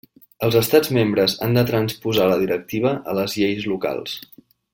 Els estats membres han de transposar la directiva a les lleis locals.